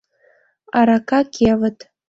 — Арака кевыт.